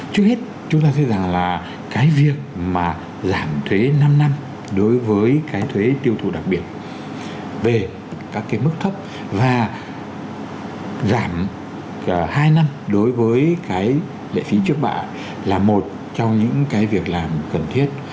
trước hết chúng ta thấy rằng là cái việc mà giảm thuế năm năm đối với cái thuế tiêu thụ đặc biệt về các cái mức thấp và giảm hai năm đối với cái lệ phí trước bạ là một trong những cái việc làm cần thiết